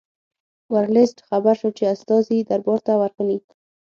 ورلسټ خبر شو چې استازي دربار ته ورغلي.